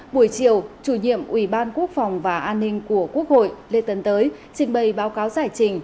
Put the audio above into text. buổi chiều chủ nhiệm ủy ban quốc phòng và an ninh của quốc hội lê tấn tới trình bày báo cáo giải trình